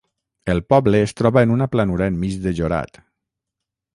El poble es troba en una planura enmig de Jorat.